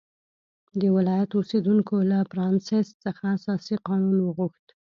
د ولایت اوسېدونکو له فرانسیس څخه اساسي قانون وغوښت.